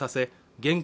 現金